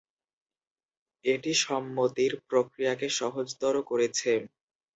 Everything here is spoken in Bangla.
এটি সম্মতির প্রক্রিয়াকে সহজতর করেছে।